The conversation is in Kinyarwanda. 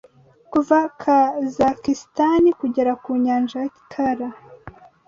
kuva Kazakisitani kugera ku nyanja ya Kara